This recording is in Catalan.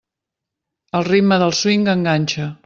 El ritme del swing enganxa.